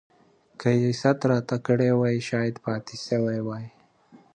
که يې ست راته کړی وای شايد پاته سوی وای.